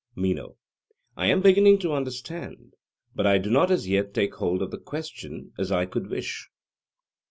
MENO: I am beginning to understand; but I do not as yet take hold of the question as I could wish.